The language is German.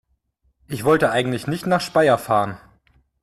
Ich wollte eigentlich nicht nach Speyer fahren